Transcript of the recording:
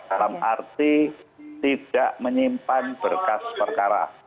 dalam arti tidak menyimpan berkas perkara